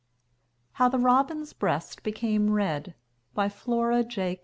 How the Robin's Breast became Red FLORA J.